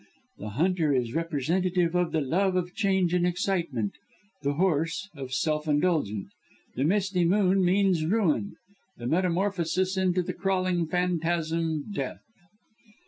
"The hunter is representative of the love of change and excitement; the horse of self indulgence. The misty moon means ruin, the metamorphosis into the crawling phantasm death.